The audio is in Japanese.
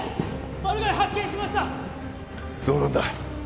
マルガイ発見しましたどうなんだ